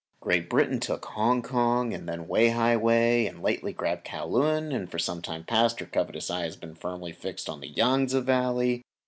Great Britain took Hong Kong and then Wei hai wei, and lately grabbed Kowloon and for some time past her covetous eye has been firmly fixed on the Yangtse valley.